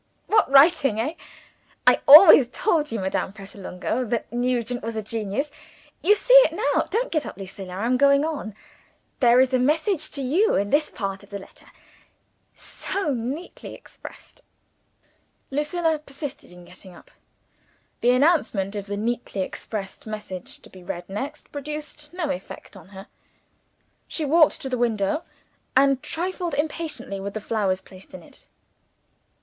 "What writing! eh? I always told you, Madame Pratolungo, that Nugent was a genius. You see it now. Don't get up, Lucilla. I am going on. There is a message to you in this part of the letter. So neatly expressed!" Lucilla persisted in getting up; the announcement of the neatly expressed message to be read next, produced no effect on her. She walked to the window, and trifled impatiently with the flowers placed in it.